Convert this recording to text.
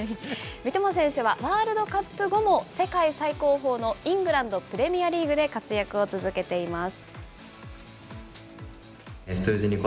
三笘選手はワールドカップ後も世界最高峰のイングランドプレミアリーグで活躍を続けています。